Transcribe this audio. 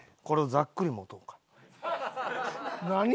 これをざっくり持とうか。